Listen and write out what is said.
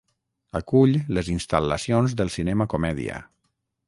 Acull les instal·lacions del Cinema Comèdia.